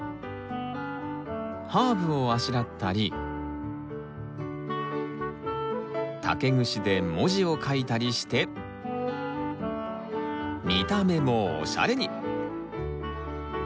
ハーブをあしらったり竹串で文字を書いたりして見た目もおしゃれに！